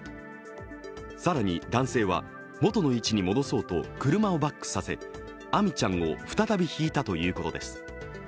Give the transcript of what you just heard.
更に男性は元の位置に戻そうと車をバックさせ亜海ちゃんを再びひいたということです。